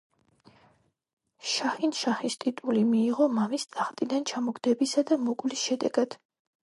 შაჰინშაჰის ტიტული მიიღო მამის ტახტიდან ჩამოგდებისა და მოკვლის შედეგად.